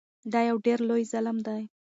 دا یو ډیر لوی ظلم و.